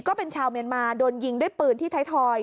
ก็เป็นชาวเมียนมาโดนยิงด้วยปืนที่ไทยทอย